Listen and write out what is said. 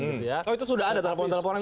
oh itu sudah ada telepon teleponan